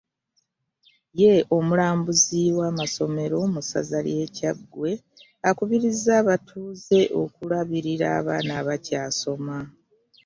Ye omulambuzi wa masomero mu Ssaza ly’e Kyaggwe akubirizza abatuuze okubuulirira abaana abakyasoma .